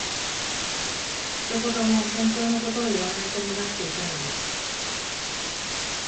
一言も本当の事を言わない子になっていたのです